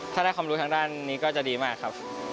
ถ้าได้ความรู้ทางด้านนี้ก็จะดีมากครับ